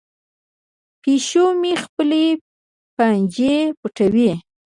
پیشو مې خپلې پنجې پټوي.